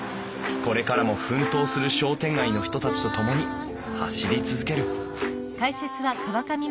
これからも奮闘する商店街の人たちと共に走り続ける